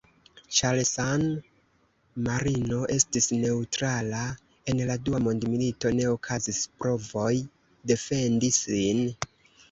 Ĉar San-Marino estis neŭtrala en la dua mondmilito, ne okazis provoj defendi sin.